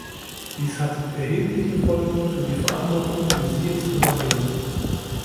Dies hat erhebliche Folgen für die Verantwortung, die Sie jetzt übernehmen.